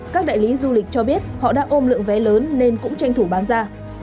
các đại lý du lịch cho biết họ đã ôm lượng vé lớn nên cũng tranh thủ bán ra